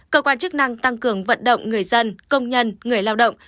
cơ quan chức năng tăng cường vận động người dân công nhân người lao động